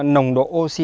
nồng độ oxy